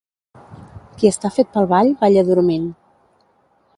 Qui està fet pel ball, balla dormint.